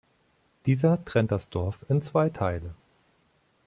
Dieser trennt das Dorf in zwei Teile.